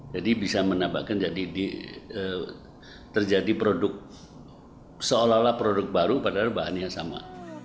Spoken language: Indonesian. jadi bisa menambahkan terjadi produk seolah olah produk baru padahal bahannya sama